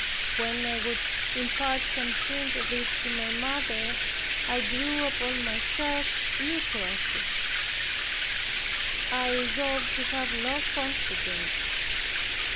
When I would impart some hint of it to my mother, I drew upon myself new crosses. I resolved to have no confidant.